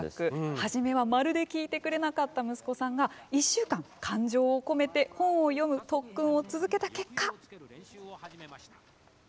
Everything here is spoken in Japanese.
初めは、まるで聞いてくれなかった息子さんが１週間、感情を込めて本を読む特訓を続けた結果。